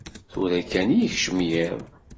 Tura kan i yekcem yiḍ.